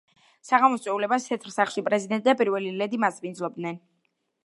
საღამოს წვეულებას თეთრ სახლში, პრეზიდენტი და პირველი ლედი მასპინძლობდნენ.